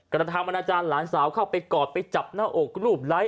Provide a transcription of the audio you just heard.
กระทำอนาจารย์หลานสาวเข้าไปกอดไปจับหน้าอกรูปไลค์